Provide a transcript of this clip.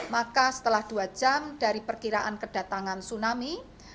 maka setelah dua jam dari perkiraan kedatangan tsunami